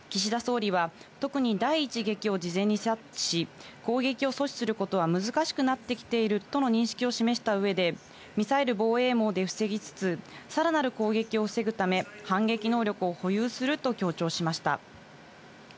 岸田総理は、特に第１撃を事前に察知し、攻撃を阻止することは難しくなってきているとの認識を示した上で、ミサイル防衛網で防ぎつつ、さらなる攻撃を防ぐため、反撃能力を保有すると強調しました。